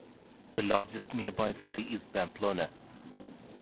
The largest nearby city is Pamplona.